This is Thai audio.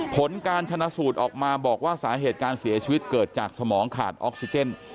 ผลการชนะสูตรออกมาบอกว่าสาเหตุการเสียชีวิตเกิดจากสมองขาดออกซิเจน